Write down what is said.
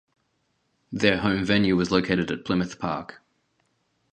Their home venue was located at Plymouth Park.